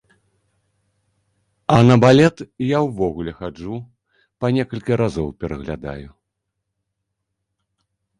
А на балет я ўвогуле хаджу па некалькі разоў, пераглядаю.